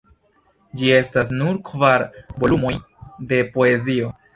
Ĝi estas nur kvar volumoj de poezio.